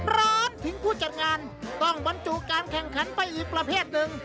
ร้อนถึงผู้จัดงานต้องบรรจุการแข่งขันไปอีกประเภทหนึ่ง